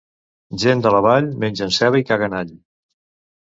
Gent de la Vall mengen ceba i caguen all.